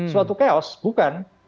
suatu keos bukan